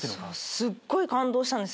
すっごい感動したんです